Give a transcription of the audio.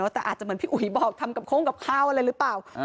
แต่อาจจะเหมือนพี่อุ๋ยบอกทำกับโค้งกับข้าวอะไรหรือเปล่า